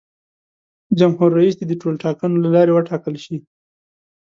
جمهور رئیس دې د ټولټاکنو له لارې وټاکل شي.